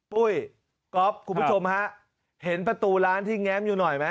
ปุ้ยก๊อฟคุณผู้ชมฮะเห็นประตูร้านที่แง้มอยู่หน่อยไหม